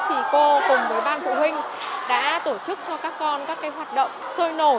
thì cô cùng với bang phụ huynh đã tổ chức cho các con các cái hoạt động